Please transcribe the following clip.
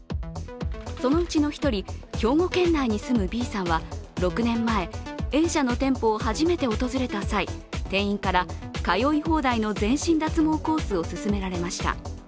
そのうちの１人、兵庫県内に住むＢさんは６年前Ａ社の店舗を始めて訪れた際、店員から通い放題の全身脱毛コースを勧められました。